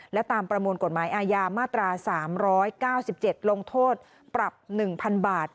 และตามประมวลกฎหมายอาญามาตรา๓๙๗ลงโทษปรับ๑๐๐๐บาท